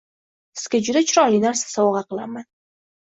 Sizga juda chiroyli narsa sovg‘a qilaman.